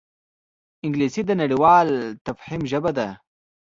انګلیسي د نړیوال تفهیم ژبه ده